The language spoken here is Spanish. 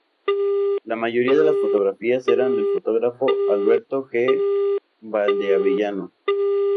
La mayoría de las fotografías eran del fotógrafo Alberto G. Valdeavellano.